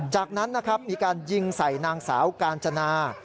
จากนั้นนะครับมีการยิงใส่นางสาวกาญจนา